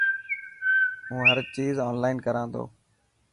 هون هر چيز اونلان ڪران تو.